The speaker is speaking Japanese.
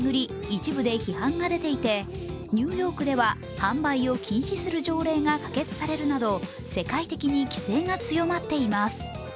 一部で批判が出ていてニューヨークでは販売を禁止する条例が可決されるなど世界的に規制が強まっています。